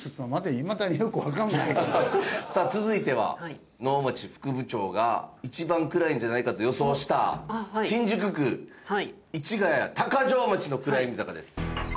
さあ続いては能町副部長が一番暗いんじゃないかと予想した新宿区市谷鷹匠町の暗闇坂です。